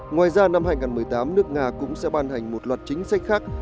ngoài ra năm hai nghìn một mươi tám nước nga cũng sẽ ban hành một loạt chính sách khác